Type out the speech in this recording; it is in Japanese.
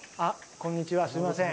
こんにちはすいません。